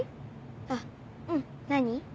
あっうん何？